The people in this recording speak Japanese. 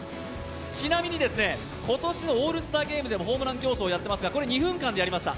ちなみに、今年のオールスターゲームでもホームラン競争やっていますが、これは２分間でやりました。